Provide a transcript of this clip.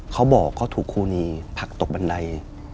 เขาบอกเขาถูกครูนีผลักตกบันได